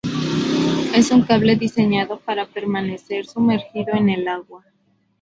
Es un cable diseñado para permanecer sumergido en el agua.